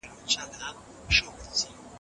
که انلاین ټولګي ملاتړ ولري، فشار نه زیاتېږي.